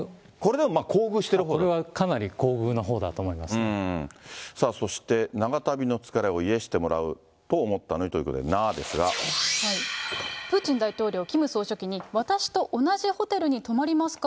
これはかなり厚遇なほうだとそして、長旅の疲れを癒やしてもらおうと思ったのにということで、プーチン大統領、キム総書記に私と同じホテルに泊まりますか？